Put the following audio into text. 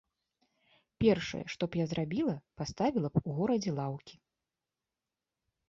Першае, што б я зрабіла, паставіла б у горадзе лаўкі!